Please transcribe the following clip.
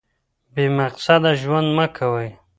بې مقصده ژوند مه کوئ.